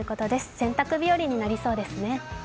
洗濯日和になりそうですね。